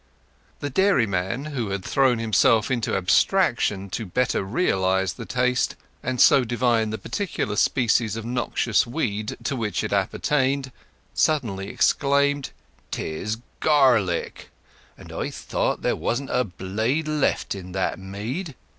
The dairyman, who had thrown himself into abstraction to better realize the taste, and so divine the particular species of noxious weed to which it appertained, suddenly exclaimed— "'Tis garlic! and I thought there wasn't a blade left in that mead!"